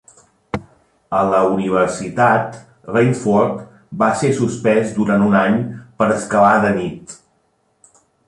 A la universitat, Raynsford va ser sospès durant un any per escalar de nit.